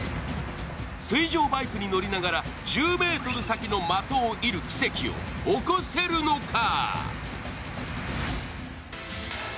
水上バイクに乗りながら１０ｍ先の的を射る奇跡を起こせるのか。